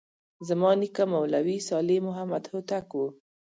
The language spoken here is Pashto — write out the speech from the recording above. زما نیکه مولوي صالح محمد هوتک و.